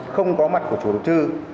không có mặt của chủ đầu tư